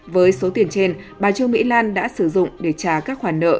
với số tiền trên bà trương mỹ lan đã sử dụng để trả các khoản nợ